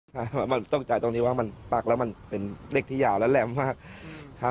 จงจับตรงนี้มันปักเป็นเล็กที่ยาวแล้วแปลงมาก